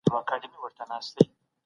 بالاحصار بازار وسوځول شو